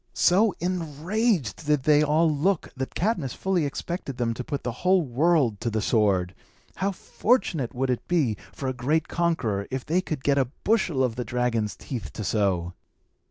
So enraged did they all look, that Cadmus fully expected them to put the whole world to the sword. How fortunate would it be for a great conqueror, if he could get a bushel of the dragon's teeth to sow!